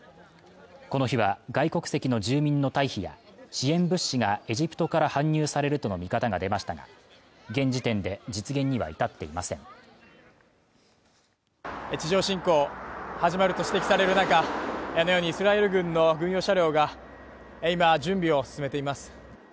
この日は外国籍の住民の退避や支援物資がエジプトから搬入されるとの見方が出ましたが現時点で実現には至っていません地上侵攻始まると指摘される中あのようにイスラエル軍の軍用車両が今準備を進めています